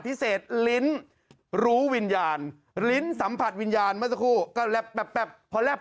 พิเศษลิ้นรู้ลิ้นสัมผัสวินญาณเมื่อสักครู่ก็แปปแปปพอแปป